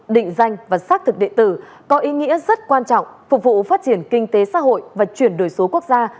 định danh và xác thực địa tử có ý nghĩa rất quan trọng phục vụ phát triển kinh tế xã hội và chuyển đổi số quốc gia